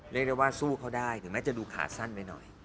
เรียกได้ว่าสู้เขาได้ถึงแม้จะดูขาสั้นไปหน่อย